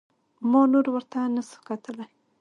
ما نور ورته نسو کتلى.